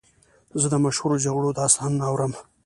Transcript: زه د مشهورو جګړو داستانونه اورم.